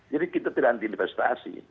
jadi kita tidak anti investasi